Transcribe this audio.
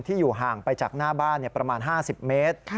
อยู่ห่างไปจากหน้าบ้านประมาณ๕๐เมตร